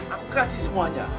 aku kasih semuanya